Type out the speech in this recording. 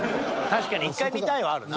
確かに「１回見たい」はあるな。